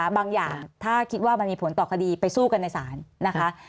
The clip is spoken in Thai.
บางอย่างถ้าคิดว่ามันมีผลต่อคดีไปสู้กันในศาลนะคะ